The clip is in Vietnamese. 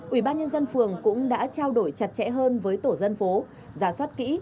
ủy ban nhân dân phường cũng đã trao đổi chặt chẽ hơn với tổ dân phố giả soát kỹ